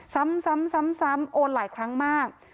ซ้ำโอนหลายครั้งมาก